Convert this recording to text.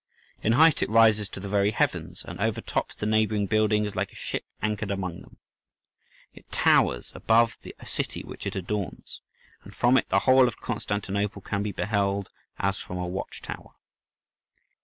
In height it rises to the very heavens, and overtops the neighbouring buildings like a ship anchored among them. It towers above the city which it adorns, and from it the whole of Constantinople can be beheld, as from a watch tower.